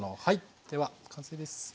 はいでは完成です！